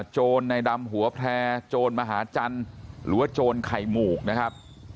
โจรในดำหัวแพร่โจรมหาจันทร์หรือว่าโจรไข่หมูกนะครับ